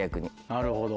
なるほど。